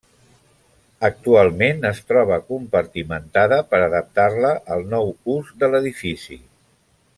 Actualment es troba compartimentada per adaptar-la al nou ús de l'edifici.